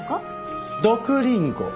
毒リンゴ。